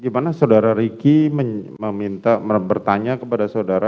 gimana saudara ricky bertanya kepada saudara